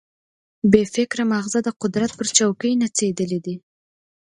بې فکره ماغزه د قدرت پر چوکۍ نڅېدلي دي.